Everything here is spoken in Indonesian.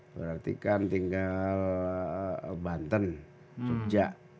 berarti kan tinggal banten jogja